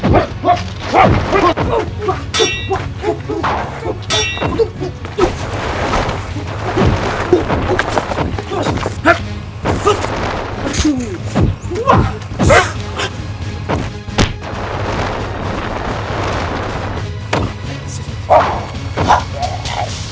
jangan cari masalahku kalau tidak mau bikin masalah